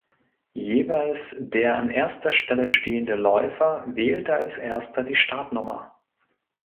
Jeweils der an erster Stelle stehende Läufer wählte als erster die Startnummer.